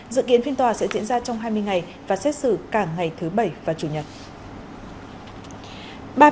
dự kiến phiên tòa sẽ diễn ra trong hai mươi ngày và xét xử cả ngày thứ bảy và chủ nhật